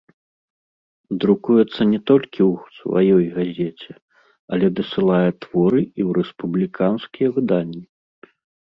Друкуецца не толькі ў сваёй газеце, але дасылае творы і ў рэспубліканскія выданні.